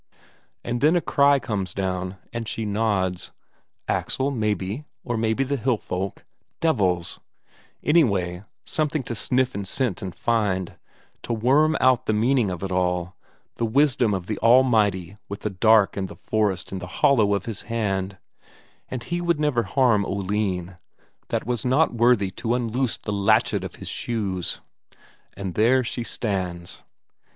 And then a cry comes down, and she nods; Axel, maybe, or maybe the hill folk, devils anyway, something to sniff and scent and find to worm out the meaning of it all, the wisdom of the Almighty with the dark and the forest in the hollow of His hand and He would never harm Oline, that was not worthy to unloose the latchet of His shoes.... And there she stands.